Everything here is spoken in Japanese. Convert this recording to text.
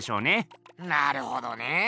なるほどねえ。